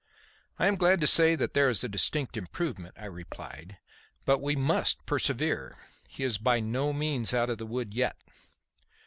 "I am glad to say that there is a distinct improvement," I replied. "But we must persevere. He is by no means out of the wood yet."